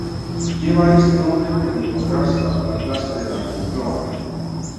Lleva este nombre por encontrarse bajo la plaza de la Moncloa.